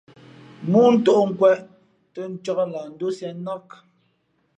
̀mōō ntōʼ nkwēʼ tα ncāk lah ndósiē nák.